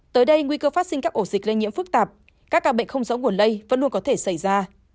tới đây nguy cơ phát sinh các ổ dịch lây nhiễm phức tạp các ca bệnh không rõ nguồn lây vẫn luôn có thể xảy ra